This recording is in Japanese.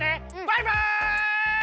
バイバイ！